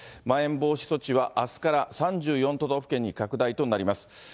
まん延防止措置はあすから３４都道府県に拡大となります。